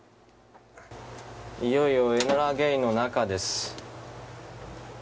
いよいよ「エノラ・ゲイ」の中です。